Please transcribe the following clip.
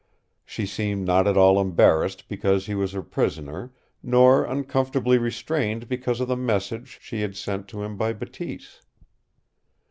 She seemed not at all embarrassed because he was her prisoner, nor uncomfortably restrained because of the message she had sent to him by Bateese.